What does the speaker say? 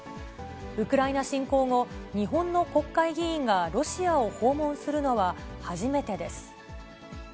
ウクライナ侵攻後、日本の国会議員がロシアを訪問するのは初めてです。